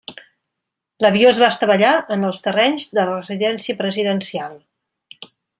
L'avió es va estavellar en els terrenys de la residència presidencial.